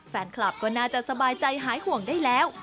แฟนคลับก็น่าจะสบายใจหายห่วงได้แล้ว